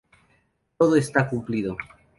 Todo está cumplido.